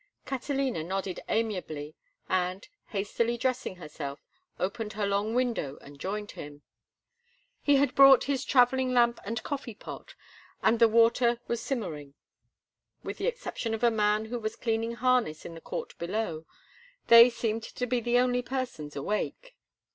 Catalina nodded amiably, and, hastily dressing herself, opened her long window and joined him. He had brought his travelling lamp and coffee pot, and the water was simmering. With the exception of a man who was cleaning harness in the court below, they seemed to be the only persons awake.